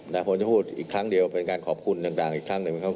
แต่ผมจะพูดอีกครั้งเดียวเป็นการขอบคุณดังอีกครั้ง